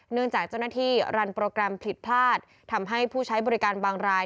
จากเจ้าหน้าที่รันโปรแกรมผิดพลาดทำให้ผู้ใช้บริการบางราย